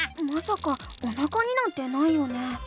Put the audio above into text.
まさかおなかになんてないよね？